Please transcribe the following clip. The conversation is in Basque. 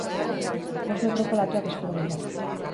Bost metroko olatuak espero dira.